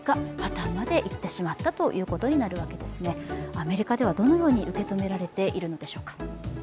アメリカではどのように受け止められているのでしょうか。